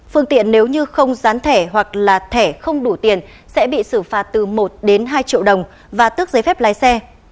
phương tiện nếu như không dán thẻ hoặc là thẻ không đủ tiền sẽ bị xử phạt từ một đến hai triệu đồng và tước giấy phép lái xe